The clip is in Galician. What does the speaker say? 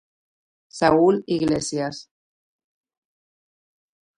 Saúl Iglesias.